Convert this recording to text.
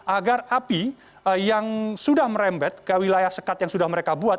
agar api yang sudah merembet ke wilayah sekat yang sudah mereka buat